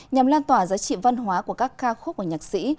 nhằm lan tỏa giá trị văn hóa của các ca khúc của nhạc sĩ